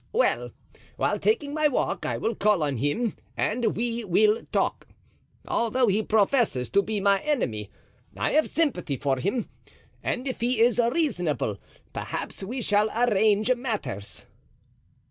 Well, while taking my walk I will call on him and we will talk. Although he professes to be my enemy I have sympathy for him, and if he is reasonable perhaps we shall arrange matters."